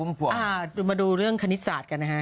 มาดูเรื่องคณิตศาสตร์กันนะฮะ